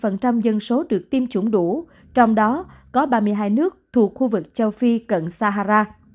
một mươi dân số được tiêm chủng đủ trong đó có ba mươi hai nước thuộc khu vực châu phi cận sahara